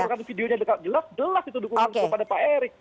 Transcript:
kalau anda baca video video videonya dekat jelas jelas itu dukungan kepada pak erick